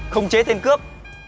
không chế thêm cướp